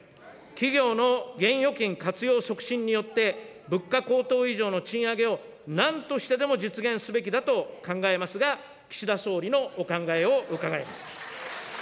企業の現預金活用促進によって、物価高騰以上の賃上げをなんとしてでも実現すべきと考えますが、岸田総理のお考えを伺います。